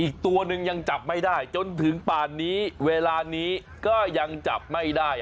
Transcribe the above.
อีกตัวหนึ่งยังจับไม่ได้จนถึงป่านนี้เวลานี้ก็ยังจับไม่ได้